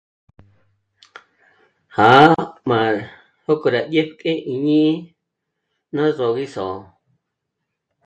Já'a má jòkü rá dyétk'e íjñí'i ná zògi só'o